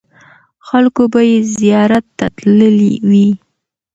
خلکو به یې زیارت ته تللي وي.